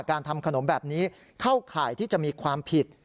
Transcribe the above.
การทำขนมแบบนี้เข้าข่ายที่จะมีความผิด